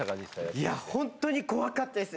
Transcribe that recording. いや、本当に怖かったです。